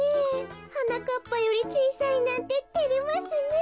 はなかっぱよりちいさいなんててれますねえ。